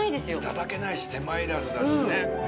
頂けないし手間いらずだしね。